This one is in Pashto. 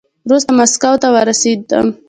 وروسته ماسکو ته ورسېدم.